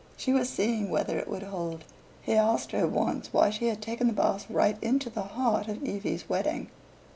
She was seeing whether it would hold. He asked her once why she had taken the Basts right into the heart of Evie's wedding.